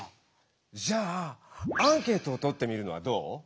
じゃあアンケートをとってみるのはどう？